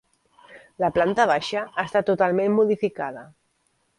La planta baixa ha estat totalment modificada.